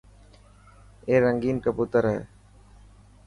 اي رنگين ڪبوتر هي.